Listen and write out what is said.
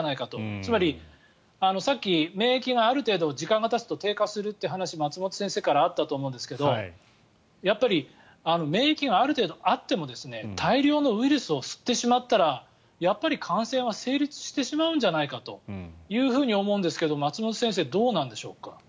つまりさっき免疫がある程度、時間がたつと低下するという話が松本先生からあったと思いますがやっぱり免疫がある程度あっても大量のウイルスを吸ってしまったらやっぱり感染は成立してしまうんじゃないかと思うんですけど松本先生、どうなんでしょうか。